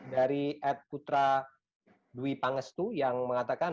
dari adkutra dwi pangestu yang mengatakan